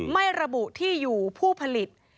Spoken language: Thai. ไม่ระบุที่อยู่ผู้ผลิต